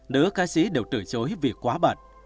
nữ ca sĩ đều từ chối vì quá bận